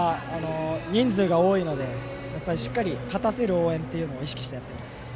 人数が多いのでしっかり勝たせる応援というのを意識してやっています。